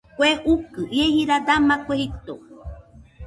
Kue ukɨ ie jirari dama kue jito.